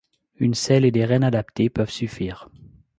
Une selle et des rênes adaptées peuvent suffire.